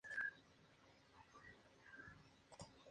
El concepto de grupos estelares y secundarios no existe.